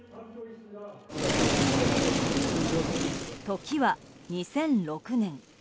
時は、２００６年。